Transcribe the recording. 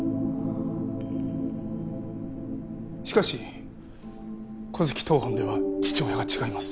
しかし戸籍謄本では父親が違います